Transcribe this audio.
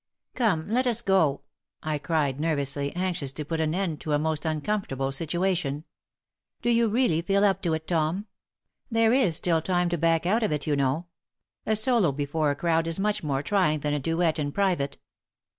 "Come, let us go," I cried, nervously, anxious to put an end to a most uncomfortable situation. "Do you really feel up to it, Tom? There is still time to back out of it, you know. A solo before a crowd is much more trying than a duet in private."